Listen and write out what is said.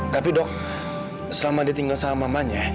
tapi dok selama dia tinggal sama mamanya